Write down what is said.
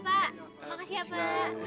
makasih ya pak